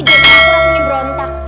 jadi aku rasanya berontak